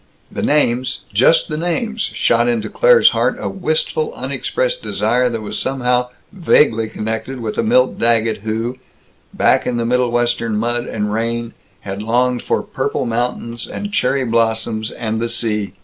The names, just the names, shot into Claire's heart a wistful unexpressed desire that was somehow vaguely connected with a Milt Daggett who, back in the Middlewestern mud and rain, had longed for purple mountains and cherry blossoms and the sea.